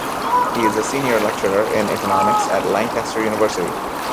He is a senior lecturer in economics at Lancaster University.